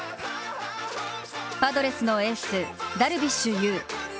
パドレスのエース・ダルビッシュ有。